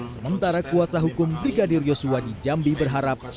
sementara kuasa hukum brigadir yosua di jambi berharap